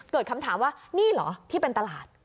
เกิดคำถามว่านี่เหรอที่เป็นตลาด